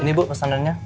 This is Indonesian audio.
ini bu pesanannya